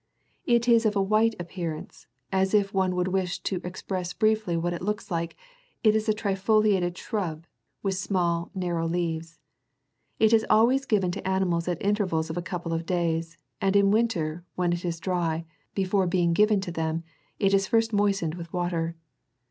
It is of a white appearance, and if one would wish to express briefly what it looks like, it is a trifoliate d shrub,32 with small, narrow leaves. It is always given to animals at intervals of a couple of days, and in winter, when it is dry, before being given to them, it is first moistened with water.